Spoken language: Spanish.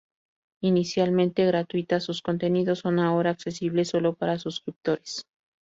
Inicialmente gratuita, sus contenidos son ahora accesibles solo para suscriptores.